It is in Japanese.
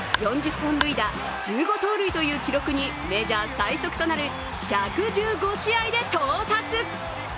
本塁打１５盗塁という記録にメジャー最速となる１１５試合で到達